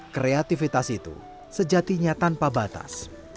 kreativitas itu sejatinya tanpa batas